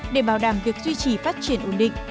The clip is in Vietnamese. để bảo đảm việc duy trì phát triển ổn định